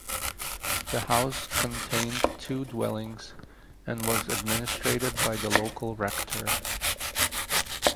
The house contained two dwellings and was administrated by the local rector.